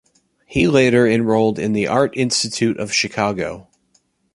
He later enrolled in the Art Institute of Chicago.